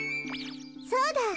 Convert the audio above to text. そうだ！